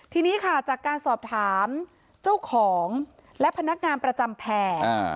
ทีนี้ค่ะจากการสอบถามเจ้าของและพนักงานประจำแผ่